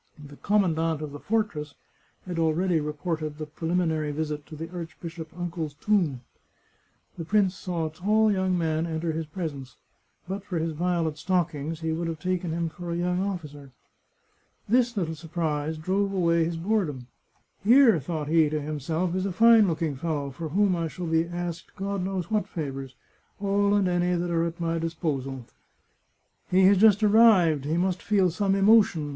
The commandant of the fortress had already reported the pre liminary visit to the archbishop uncle's tomb. The prince saw a tall young man enter his presence ; but for his violet stockings he would have taken him for a young officer. This little surprise drove away his boredom. " Here," thought he to himself, " is a fine looking fellow, for whom I shall be asked God knows what favours — all and any that are at my disposal. He has just arrived ; he must feel some emotion.